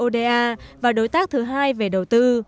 đối tác thứ hai về đầu tư